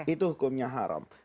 itu hukumnya haram